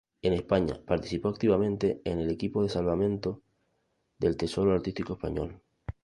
En España participó activamente en el equipo de salvamento del tesoro artístico español.